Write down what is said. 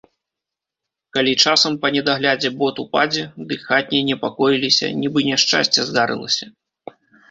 Калі часам, па недаглядзе, бот упадзе, дык хатнія непакоіліся, нібы няшчасце здарылася.